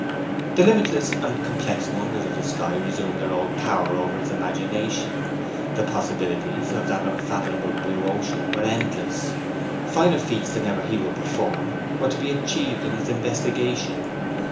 The limitless and complex wonders of the sky resumed their old power over his imagination; the possibilities of that unfathomable blue ocean were endless. Finer feats than ever he would perform were to be achieved in its investigation.